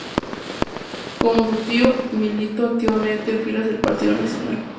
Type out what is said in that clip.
Como su tío, militó activamente en filas del partido Nacional.